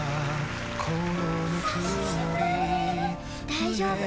大丈夫。